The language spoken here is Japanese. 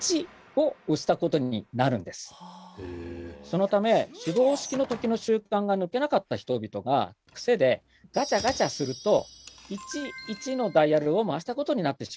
そのため手動式の時の習慣が抜けなかった人々がクセでガチャガチャすると「１」「１」のダイヤルを回したことになってしまうんです。